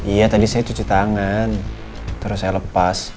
iya tadi saya cuci tangan terus saya lepas